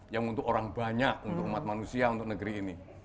yang untuk orang banyak untuk umat manusia untuk negeri ini